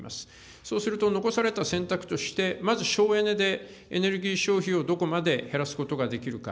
そうすると、残された選択として、まず省エネで、エネルギー消費をどこまで減らすことができるか。